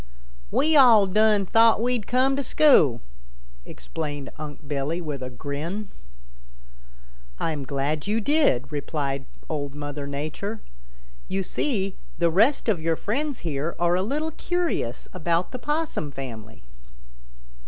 "We all done thought we'd come to school," explained Unc' Billy with a grin. "I'm glad you did," replied Old Mother Nature. "You see, the rest of your friends here are a little curious about the Possum family."